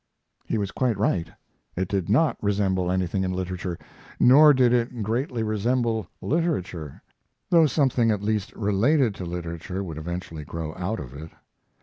He was quite right; it did not resemble anything in literature, nor did it greatly resemble literature, though something at least related to literature would eventually grow out of it.